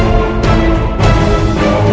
tidak bisa mengenali